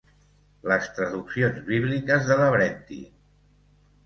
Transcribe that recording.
Les traduccions bíbliques de Lavrentii.